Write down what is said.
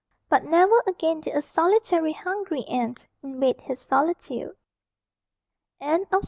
But never again did a solitary hungry aunt invade his solitude. _THE SIREN.